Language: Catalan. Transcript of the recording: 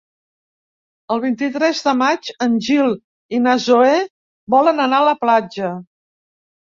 El vint-i-tres de maig en Gil i na Zoè volen anar a la platja.